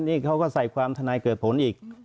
นี่เขาก็ใส่ความทนายเกิดผลอีก